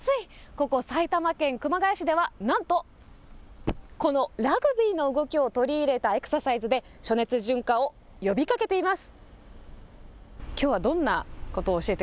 ここ埼玉県熊谷市ではなんとこのラグビーの動きを取り入れたエクササイズで暑熱順化を呼びかけています。